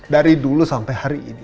dari dulu sampai hari ini